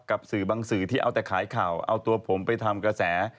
สื่อบางสื่อที่เอาแต่ขายข่าวเอาตัวผมไปทำกระแส